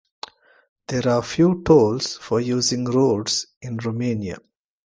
There are few tolls for using roads in Romania.